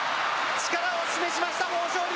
力を示しました豊昇龍。